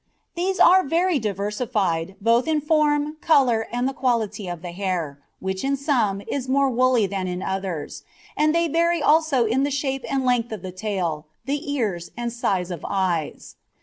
These are very diversified, both in form, colour, and the quality of the hair, which in some is more woolly than in others; and they vary also in the shape and length of the tail, the ears, and size of eyes.